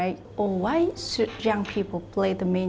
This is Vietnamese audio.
tôi muốn một tương lai